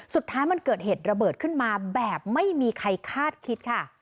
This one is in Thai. สุดท้ายมันเกิดเหตุระเบิดขึ้นมาแบบไม่มีใครคาดคิดค่ะ